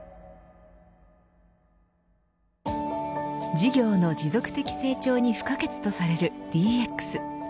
事業の持続的成長に不可欠とされるＤＸ。